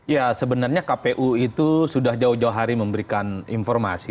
ya sebenarnya kpu itu sudah jauh jauh hari memberikan informasi